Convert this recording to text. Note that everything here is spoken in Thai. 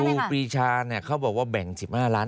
ครูปีชาเขาบอกว่าแบ่ง๑๕ล้าน